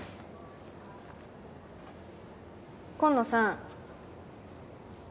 紺野さん。